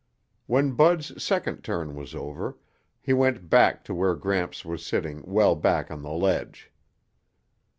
When Bud's second turn was over, he went back to where Gramps was sitting well back on the ledge.